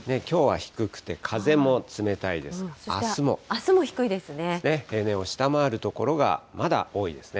平年を下回る所がまだ多いですね。